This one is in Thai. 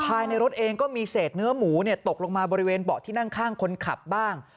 ภายในรถเองก็มีเศษเนื้อหมูตกลงมาบริเวณเบาะที่นั่งข้างคนขับบ้าง